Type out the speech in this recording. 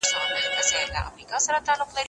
که ازادي ولرو نو زنداني نه کیږو.